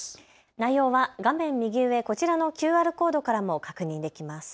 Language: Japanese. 内容は画面右上、こちらのＱＲコードからも確認できます。